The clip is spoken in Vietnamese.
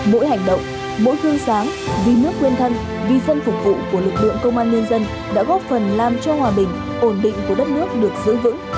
mỗi hành động mỗi hương sáng vì nước quên thân vì dân phục vụ của lực lượng công an nhân dân đã góp phần làm cho hòa bình ổn định của đất nước được giữ vững